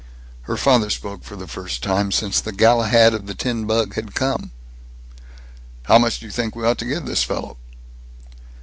Her father spoke for the first time since the Galahad of the tin bug had come: "How much do you think we ought to give this fellow?"